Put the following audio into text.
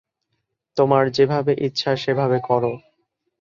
তোমার যেভাবে ইচ্ছা সেভাবে কর।